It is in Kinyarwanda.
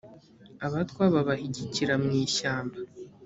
abatwa babahigikira mu ishyamba